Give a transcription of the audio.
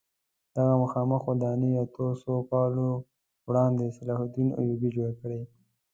دغه مخامخ ودانۍ اتو سوو کلونو وړاندې صلاح الدین ایوبي جوړه کړې.